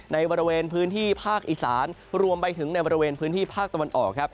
ในบริเวณพื้นที่ภาคอีสานรวมไปถึงในบริเวณพื้นที่ภาคตะวันออกครับ